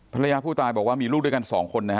ภรรยาผู้ตายบอกว่ามีลูกด้วยกัน๒คน